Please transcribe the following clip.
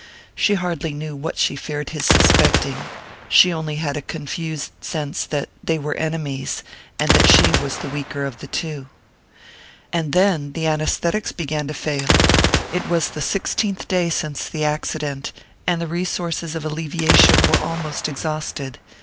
She hardly knew what she feared his suspecting she only had a confused sense that they were enemies, and that she was the weaker of the two. And then the anæsthetics began to fail. It was the sixteenth day since the accident, and the resources of alleviation were almost exhausted.